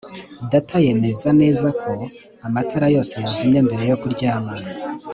data yemeza neza ko amatara yose yazimye mbere yo kuryama